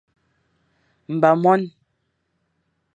Mba mon.